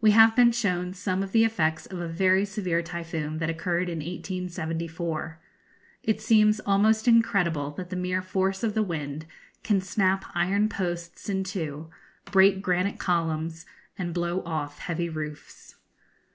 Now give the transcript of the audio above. We have been shown some of the effects of a very severe typhoon that occurred in 1874. It seems almost incredible that the mere force of the wind can snap iron posts in two, break granite columns, and blow off heavy roofs.